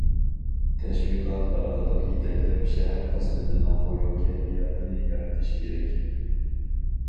تەشۋىقات ئارقىلىق يېتەكلەپ، شەھەر خىزمىتىنىڭ قويۇق كەيپىياتىنى يارىتىش كېرەك.